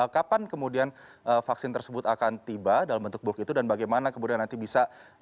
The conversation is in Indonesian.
kapan kemudian vaksin tersebut akan tiba dalam bentuk bulk itu dan bagaimana kemudian nanti bisa